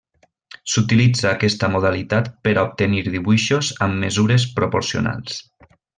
S'utilitza aquesta modalitat per a obtenir dibuixos amb mesures proporcionals.